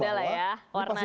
sudahlah ya warnanya ya